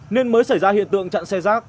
nên mới xảy ra hiện tượng chặn xe rác